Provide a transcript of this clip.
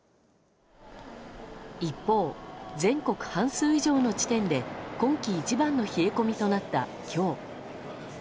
一方、全国半数以上の地点で今季一番の冷え込みとなった今日。